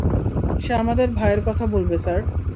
সে আমাদের ভাইয়ের কথা বলবে স্যার।